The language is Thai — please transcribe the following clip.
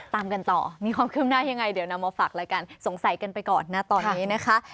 ตามกันต่อมีความคืบหน้ายังไงเดี๋ยวนำมาฝากรายการสงสัยกันไปก่อนนะตอนนี้นะคะ